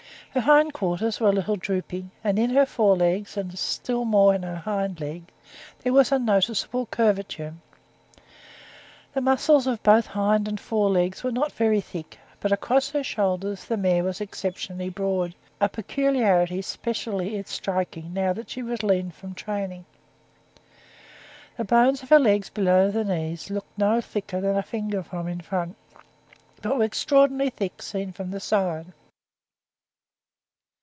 Her hind quarters were a little drooping, and in her fore legs, and still more in her hind legs, there was a noticeable curvature. The muscles of both hind and fore legs were not very thick; but across her shoulders the mare was exceptionally broad, a peculiarity specially striking now that she was lean from training. The bones of her legs below the knees looked no thicker than a finger from in front, but were extraordinarily thick seen from the side.